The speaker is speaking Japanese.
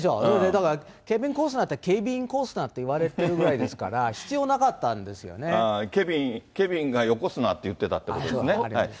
だから、ケビン・コスナーってケイビン・コスナーっていわれてるぐらいでケビン、ケビンがよこすなって言ってたってことですね。